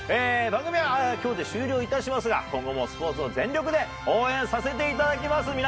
番組は今日で終了いたしますが今後もスポーツを全力で応援させていただきます。